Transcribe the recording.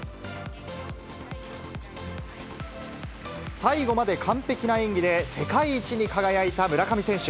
最後まで完璧な演技で世界一に輝いた村上選手。